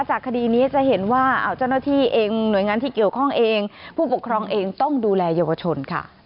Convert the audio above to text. คดีนี้จะเห็นว่าเจ้าหน้าที่เองหน่วยงานที่เกี่ยวข้องเองผู้ปกครองเองต้องดูแลเยาวชนค่ะ